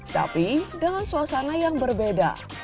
tapi dengan suasana yang berbeda